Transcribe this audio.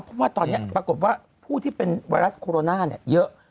เพราะว่าตอนนี้ปรากฏว่าผู้ที่เป็นไวรัสโคโรนาเยอะ